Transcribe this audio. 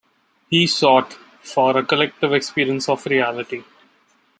He sought for a collective experience of reality.